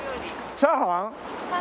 チャーハン？